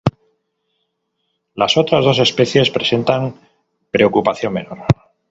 Las otras dos especies presentan preocupación menor.